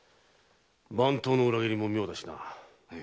番頭の裏切りも妙だしな。